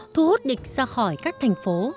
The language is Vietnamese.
thu hút địch ra khỏi các thành phố